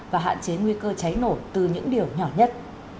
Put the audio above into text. và hạn chế nguy cơ cháy nổ từ những điều nhỏ nhất